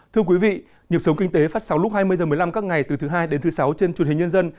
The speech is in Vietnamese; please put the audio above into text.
thưa quý vị nhịp sống kinh tế phát sóng lúc hai mươi h một mươi năm các ngày từ thứ hai đến thứ sáu trên truyền hình nhân dân